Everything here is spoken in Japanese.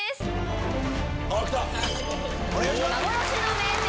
幻の名店